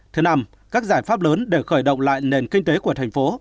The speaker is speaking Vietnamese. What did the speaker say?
thứ năm các giải pháp lớn để khởi động lại nền kinh tế của thành phố